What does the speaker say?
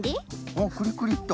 おっクリクリッと。